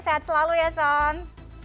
sehat selalu ya son